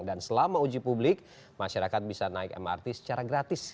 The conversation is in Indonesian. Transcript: dan selama uji publik masyarakat bisa naik mrt secara gratis